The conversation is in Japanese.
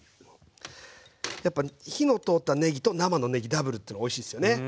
やっぱ火の通ったねぎと生のねぎダブルっておいしいっすよね。